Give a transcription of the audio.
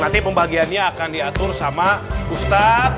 nanti pembagiannya akan diatur sama ustadz